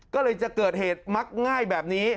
ก็เลยจะเกิดเหตุมักง่ายแบบนี้